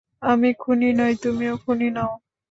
আমি খুনী নই, তুমিও খুনী নও।